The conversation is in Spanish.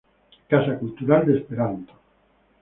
Casa cultural de Esperanto